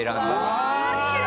うわ！